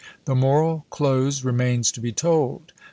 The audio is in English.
The moral close remains to be told.